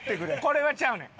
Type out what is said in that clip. これはちゃうねん。